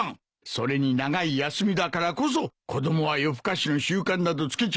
それに長い休みだからこそ子供は夜更かしの習慣などつけちゃいかん。